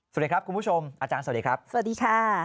สวัสดีครับอาจารย์สวัสดีครับสวัสดีค่ะ